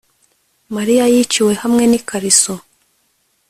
Mariya yiciwe hamwe nikariso